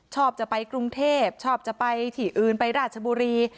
ชอบจะไปกรุงเทพชอบจะไปที่อื่นไปราชบุรี